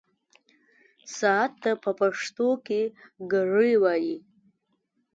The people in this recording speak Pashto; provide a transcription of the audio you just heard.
ساعت ته په پښتو کې ګړۍ وايي.